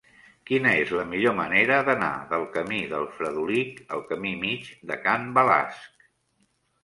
Quina és la millor manera d'anar del camí del Fredolic al camí Mig de Can Balasc?